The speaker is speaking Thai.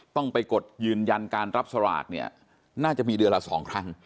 ต้องไปกดยืนยันการรับสลากเนี่ยน่าจะมีเดือนละ๒ครั้ง